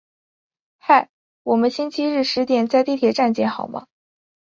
嗨，我们星期日十点在地铁站见好吗？